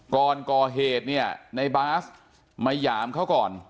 ก่อนก่อเหตุเนี่ยในบาสมาหยามเขาก่อน